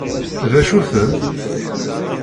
D acu-ten?